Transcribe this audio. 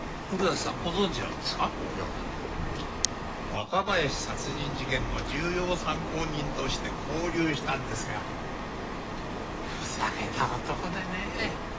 若林殺人事件の重要参考人として拘留したんですがふざけた男でね。